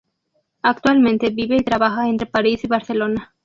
Actualmente vive y trabaja entre París y Barcelona.